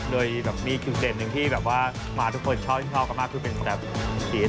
โดยมีคืนเด็นหนึ่งที่ทุกคนชอบกันมากคือเป็นแบบชีส